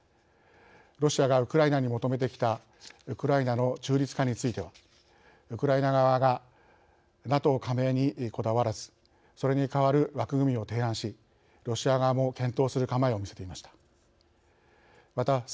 ロシアがウクライナに求めてきたウクライナの中立化についてはウクライナ側がＮＡＴＯ加盟に、こだわらずそれに代わる枠組みを提案しロシア側も検討する構えを見せていました。